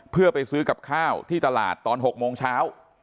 เพื่อไปซื้อกับข้าวที่ตลาดตอน๖โมงเช้า